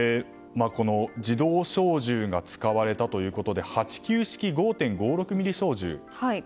自動小銃が使われたということで８９式５．５６ｍｍ小銃。